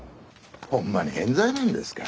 ホンマに冤罪なんですか？